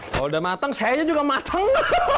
kalau udah matang saya juga matang